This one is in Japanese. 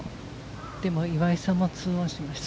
でも、岩井さんもツーオンしました。